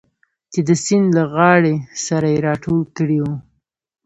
چې د سیند له غاړې سره یې راټول کړي و.